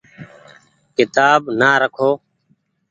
ڪيتآب نآ رکو ۔